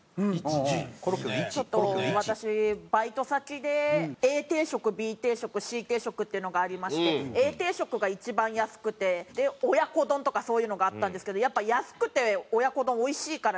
ちょっと私バイト先でＡ定食Ｂ定食Ｃ定食っていうのがありましてＡ定食が一番安くて親子丼とかそういうのがあったんですけどやっぱ安くて親子丼おいしいから人気で。